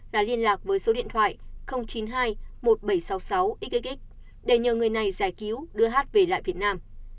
là liên lạc với số điện thoại chín mươi hai một nghìn bảy trăm sáu mươi sáu x để nhờ người này giải cứu đưa hát về lại việt nam